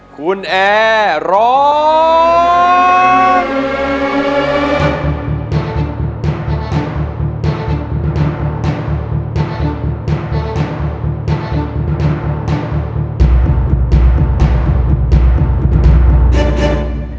คุณแอร์ร้อง